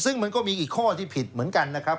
ซึ่งมันก็มีอีกข้อที่ผิดเหมือนกันนะครับ